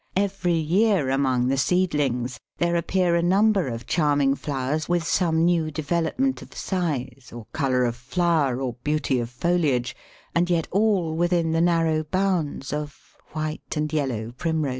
Every year among the seedlings there appear a number of charming flowers with some new development of size, or colour of flower, or beauty of foliage, and yet all within the narrow bounds of white and yellow Primroses.